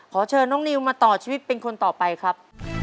ขอเชิญน้องนิวมาต่อชีวิตเป็นคนต่อไปครับ